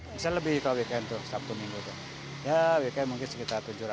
bisa lebih kalau weekend tuh sabtu minggu tuh ya weekend mungkin sekitar tujuh ratus delapan ratus